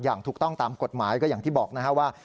อย่างถูกต้องตามกฎหมายก็อย่างที่บอกนะครับว่า